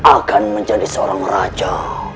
akan menjadi seorang raja